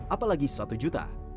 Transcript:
apalagi satu juta